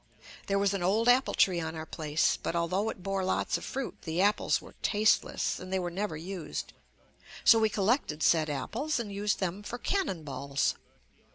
There was an old apple tree on our place but, although it bore lots of fruit, the apples were tasteless and they were never used. So we collected said apples and used them for cannon balls.